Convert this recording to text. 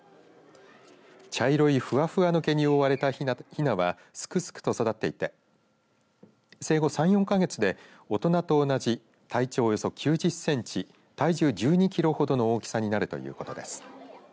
茶色い、ふわふわの毛に覆われたひなはすくすくと育っていて生後３、４か月で大人と同じ体長およそ９０センチ体重１２キロほどの大きさになるということです。